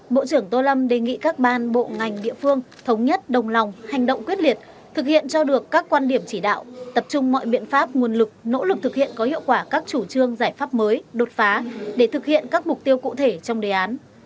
bộ trưởng tô lâm đề nghị các ban bộ ngành địa phương thống nhất đồng lòng hành động quyết liệt thực hiện cho được các quan điểm chỉ đạo tập trung mọi biện pháp nguồn lực nỗ lực thực hiện có hiệu quả các chủ trương giải pháp mới đột phá để thực hiện các mục tiêu cụ thể trong đề án